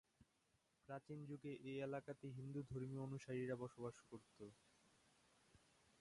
প্রাচীন যুগে এই এলাকাতে হিন্দু ধর্মীয় অনুসারীরা বসবাস করত।